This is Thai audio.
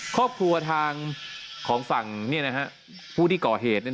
ครอบครัวทางของฝั่งผู้ที่ก่อเหตุ